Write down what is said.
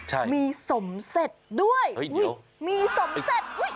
ใช่มีสมเสธด้วยมีสมเสธ